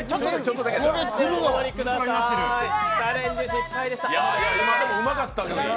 チャレンジ失敗でした。